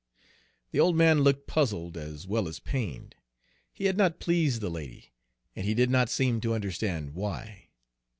The old man looked puzzled as well as pained. He had not pleased the lady, and he did not seem to understand why.